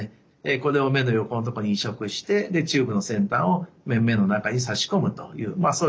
これを目の横の所に移植してチューブの先端を目の中に差し込むというそういった手術になります。